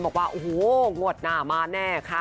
บอกว่าโอ้โหงวดหน้ามาแน่ค่ะ